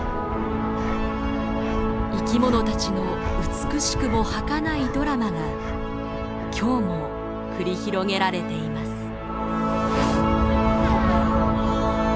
生き物たちの美しくもはかないドラマが今日も繰り広げられています。